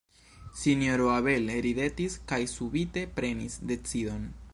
Sinjoro Abel ridetis, kaj subite prenis decidon.